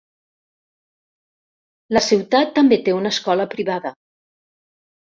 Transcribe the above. La ciutat també té una escola privada.